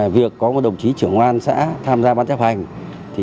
việc có một đồng chí trưởng quan xã tham gia ban chấp hành